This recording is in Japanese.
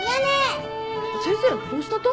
先生どうしたと？